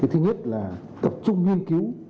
thứ nhất là cập trung nghiên cứu